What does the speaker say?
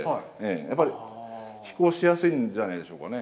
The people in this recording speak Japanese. やっぱり飛行しやすいんじゃないでしょうかね。